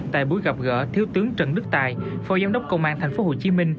tại buổi gặp gỡ thiếu tướng trần đức tài phó giám đốc công an tp hcm